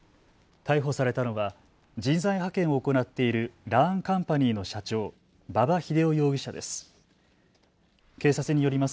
逮捕されたのは人材派遣を行っているラーンカンパニーの社長、馬場英夫容疑者です。